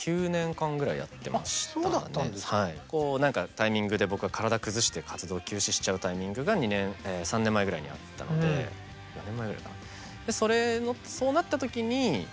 タイミングで僕が体崩して活動休止しちゃうタイミングが３年前ぐらいにあったのでそれでそうなった時に１人になっちゃったわけですね。